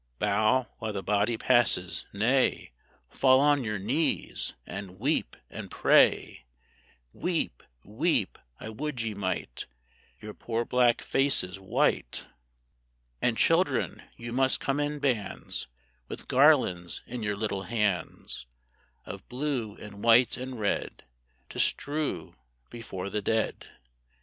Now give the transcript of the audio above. Bow while the body passes nay, Fall on your knees, and weep, and pray! Weep, weep I would ye might Your poor black faces white! And, children, you must come in bands, With garlands in your little hands, Of blue and white and red, To strew before the dead.